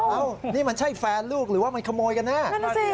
เอ้านี่มันใช่แฟนลูกหรือว่ามันขโมยกันแน่